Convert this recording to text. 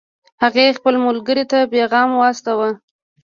هغې خپل ملګرې ته پیغام واستاوه